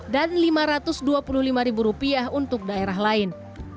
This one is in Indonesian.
dan rp lima ratus dua puluh lima untuk daerah lain